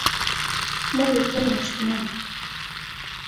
Мый уколым ыштенам.